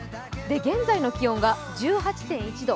現在の気温が１８．１度。